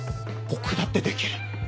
僕だってできる。